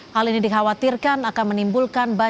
hal ini dikhawatirkan akan menimbulkan bahaya